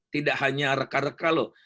tidak hanya reka reka loh